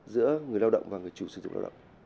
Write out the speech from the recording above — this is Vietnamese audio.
giữa người lao động và người chủ sử dụng lao động